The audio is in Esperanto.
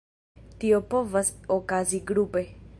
Tio povas okazi grupe.